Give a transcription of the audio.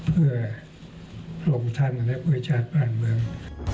เพื่อลงทันและประโยชน์บ้านเมือง